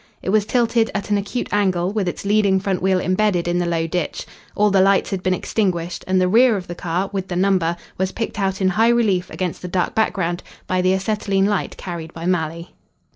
It was tilted at an acute angle, with its leading front wheel embedded in the low ditch. All the lights had been extinguished, and the rear of the car, with the number, was picked out in high relief against the dark background by the acetylene light carried by Malley.